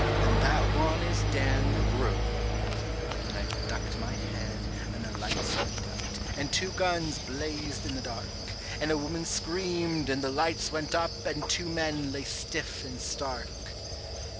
. .and that one is Dan McGrew." Then I ducked my head, and the lights went out, and two guns blazed in the dark, And a woman screamed, and the lights went up, and two men lay stiff and stark.